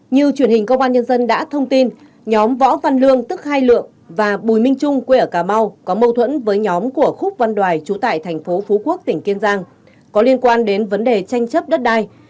như truyền hình công an nhân dân đã thông tin nhóm võ văn lương tức hai lượng và bùi minh trung quê ở cà mau có mâu thuẫn với nhóm của khúc văn đoài trú tại thành phố phú quốc tỉnh kiên giang có liên quan đến vấn đề tranh chấp đất đai